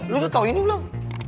lo udah tau ini belum